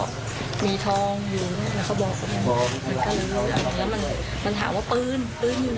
อ่าเดี๋ยวไปฟังเขาค่ะใช่ค่ะฟังช่วงเหตุการณ์เลยนะนะครับ